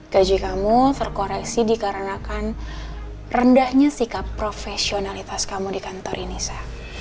gaji kamu terkoreksi dikarenakan rendahnya sikap profesionalitas kamu di kantor ini saya